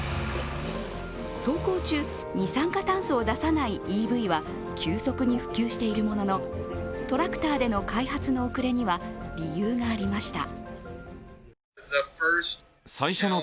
走行中、二酸化炭素を出さないＥＶは急速に普及しているものの、トラクターでの開発の遅れには理由がありました。